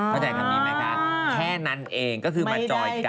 เข้าใจคำนี้ไหมคะแค่นั้นเองก็คือมาจอยกัน